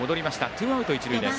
ツーアウト、一塁です。